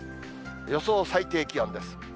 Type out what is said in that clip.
予想最低気温です。